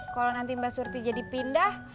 kalau nanti mbak surti jadi pindah